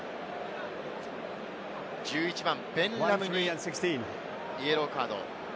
１１番のベン・ラムにイエローカード。